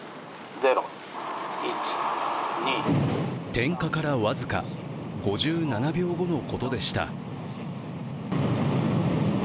点火から僅か５７秒後のことでした。